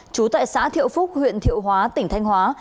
trú tại xã thiệu phúc huyện thiệu hóa tỉnh thanh hóa